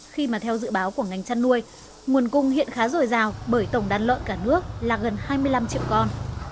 khi mà theo dự báo của ngành chăn nuôi nguồn cung hiện khá dồi dào bởi tổng đàn lợn cả nước là gần hai mươi năm triệu con